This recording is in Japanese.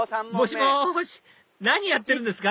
もしもし何やってるんですか？